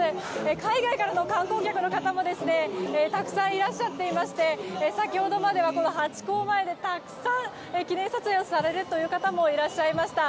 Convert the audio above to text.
海外からの観光客の方もたくさんいらっしゃっていて先ほどまでは、ハチ公前でたくさん記念撮影をされる方もいらっしゃいました。